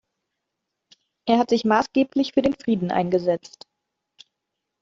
Er hat sich maßgeblich für den Frieden eingesetzt.